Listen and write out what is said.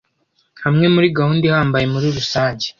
hamwe muri gahunda ihambaye muri rusange